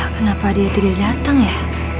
kenapa dia tidak datang ya